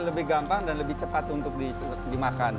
lebih gampang dan lebih cepat untuk dimakan